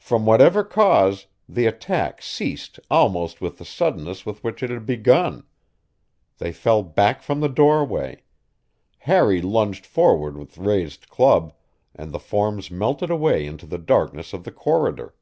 From whatever cause, the attack ceased almost with the suddenness with which it had begun; they fell back from the doorway; Harry lunged forward with raised club, and the forms melted away into the darkness of the corridor.